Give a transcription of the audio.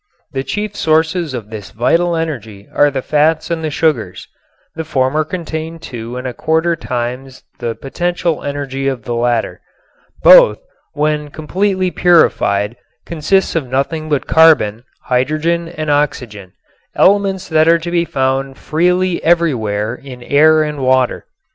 The chief sources of this vital energy are the fats and the sugars. The former contain two and a quarter times the potential energy of the latter. Both, when completely purified, consist of nothing but carbon, hydrogen and oxygen; elements that are to be found freely everywhere in air and water.